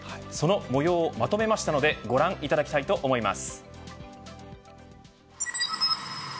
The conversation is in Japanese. その模様をまとめましたのでご覧いただきたいと思います。